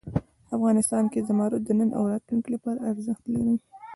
افغانستان کې زمرد د نن او راتلونکي لپاره ارزښت لري.